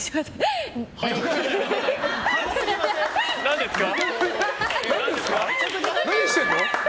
何ですか？